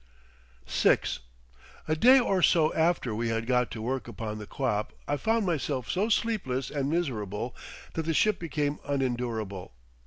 VI A day or so after we had got to work upon the quap I found myself so sleepless and miserable that the ship became unendurable.